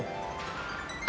selamat pagi koko